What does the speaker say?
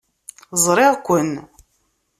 Ẓriɣ-ken.